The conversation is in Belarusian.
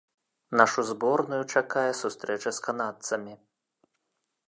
Нашую зборную чакае сустрэча з канадцамі.